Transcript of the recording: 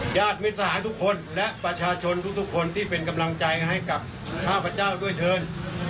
ญาติมิตรทหารทุกคนและประชาชนทุกคนที่เป็นกำลังใจให้กับข้าพเจ้าด้วยเชิญ